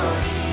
gak usah nanya